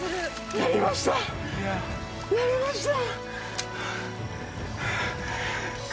やりました！